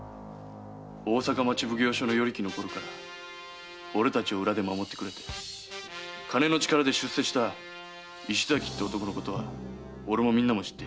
大坂町奉行所の与力のころから俺たちを裏で守ってくれ金の力で出世した石崎って男は俺もみんなも知っている。